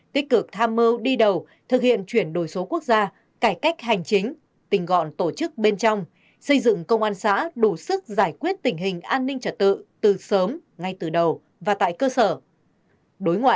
tích cực tham mưu đi đầu thực hiện chuyển đổi số quốc gia cải cách hành chính tình gọn tổ chức bên trong xây dựng công an xã đủ sức giải quyết tình hình an ninh trật tự từ sớm ngay từ đầu và tại cơ sở